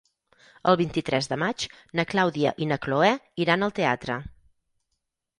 El vint-i-tres de maig na Clàudia i na Cloè iran al teatre.